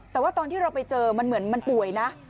แต่ว่าตอนที่เราไปเจอมันเหมือนมันป่วยนะ